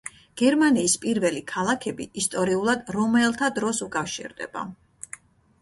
გერმანიის პირველი ქალაქები ისტორიულად რომაელთა დროს უკავშირდება.